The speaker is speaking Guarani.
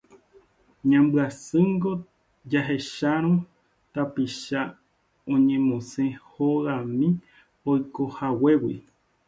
Ñambyasýngo jahechárõ tapicha oñemosẽva hogami oikohaguégui.